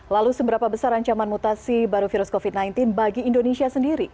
lalu seberapa besar ancaman mutasi baru virus covid sembilan belas bagi indonesia sendiri